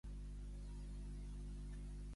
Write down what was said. En Josep i en Monsif només són amics.